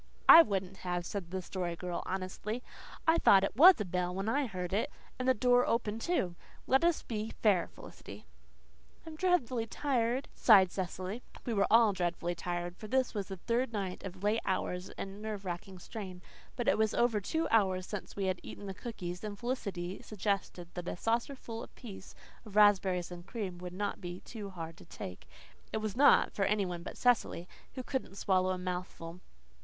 "I wouldn't have," said the Story Girl honestly. "I thought it WAS a bell when I heard it, and the door open, too. Let us be fair, Felicity." "I'm dreadful tired," sighed Cecily. We were all "dreadful tired," for this was the third night of late hours and nerve racking strain. But it was over two hours since we had eaten the cookies, and Felicity suggested that a saucerful apiece of raspberries and cream would not be hard to take. It was not, for any one but Cecily, who couldn't swallow a mouthful.